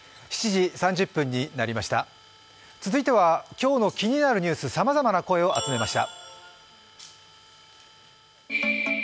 続いては今日の気になるニュースさまざまな声を集めました。